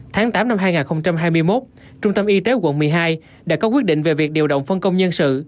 tháng tám năm hai nghìn hai mươi một trung tâm y tế quận một mươi hai đã có quyết định về việc điều động phân công nhân sự